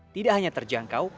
tidak hanya terjangkau